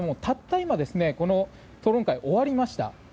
今、この討論会終わりました。